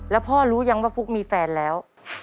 แล้วพ่อรู้ยังว่าฟุ๊กมีแฟนแล้ว